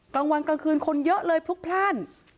กลางวันกลางคืนคนเยอะเลยพลุกพลาด